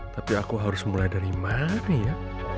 tapi aku harus mulai dari mana ya